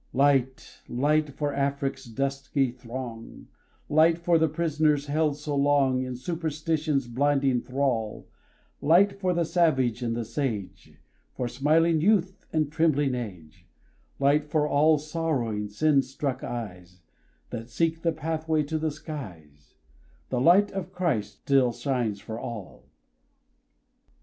Light, light for Afric's dusky throng; Light for the pris'ners held so long In superstition's blinding thrall; Light for the savage and the sage, For smiling youth, and trembling age; Light for all sorrowing, sin struck eyes That seek the pathway to the skies; "The light of Christ still shines for all!" _W. Selwyn.